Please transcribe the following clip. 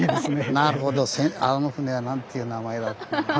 「なるほどあの船は何ていう名前だ」って。